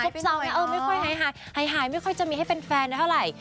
ไม่หายไปหน่อยหรอไม่หายไม่ค่อยจะมีให้แฟนเท่าไร